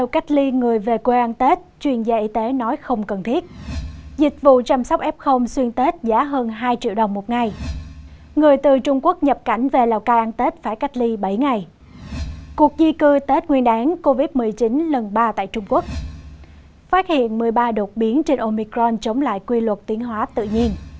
các bạn hãy đăng ký kênh để ủng hộ kênh của chúng mình nhé